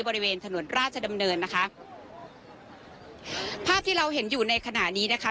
บริเวณถนนราชดำเนินนะคะภาพที่เราเห็นอยู่ในขณะนี้นะคะ